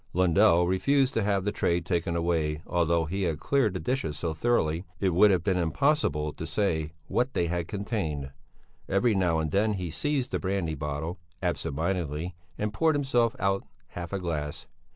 Lundell refused to have the tray taken away, although he had cleared the dishes so thoroughly that it would have been impossible to say what they had contained; every now and then he seized the brandy bottle, absent mindedly, and poured himself out half a glass.